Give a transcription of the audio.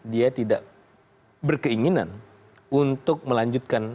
dia tidak berkeinginan untuk melanjutkan